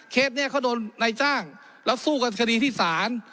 เคสเนี่ยเขาโดนในจ้างแล้วสู้กับคดีที่ศาล